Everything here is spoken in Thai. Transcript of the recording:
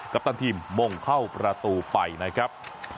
ปตันทีมมงเข้าประตูไปนะครับ